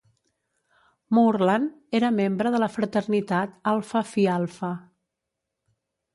Moorland era membre de la fraternitat Alpha Phi Alpha.